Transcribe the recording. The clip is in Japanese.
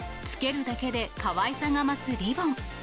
つけるだけでかわいさが増すリボン。